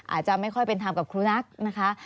อาจจะไม่ค่อยเป็นธรรมกับครูนักนะคะ